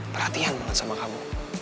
perhatian banget sama kamu